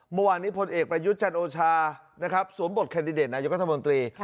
เมื่อวานนี้พลเอกประยุทธ์จันโอชานะครับสวมบทแคนดิเดตนายกัธมนตรี